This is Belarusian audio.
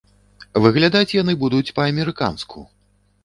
Выглядаць яны будуць па-амерыканску.